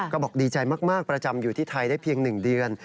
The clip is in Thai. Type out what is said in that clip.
ก็บอกดีใจมากประจำอยู่ที่ไทยได้เพียง๑เดือน